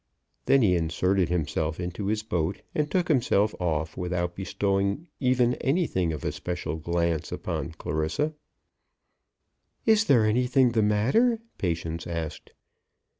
Then he inserted himself into his boat, and took himself off, without bestowing even anything of a special glance upon Clarissa. "Is there anything the matter?" Patience asked.